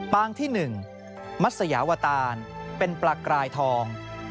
ปางที่๑มัศยาวตานเป็นปลากรายทอง